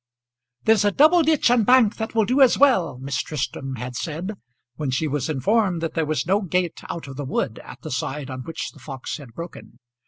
"There's a double ditch and bank that will do as well," Miss Tristram had said when she was informed that there was no gate out of the wood at the side on which the fox had broken.